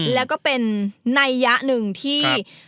แล้วก็เป็นนัยยะหนึ่งที่